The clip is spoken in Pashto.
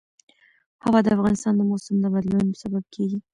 هوا د افغانستان د موسم د بدلون سبب کېږي.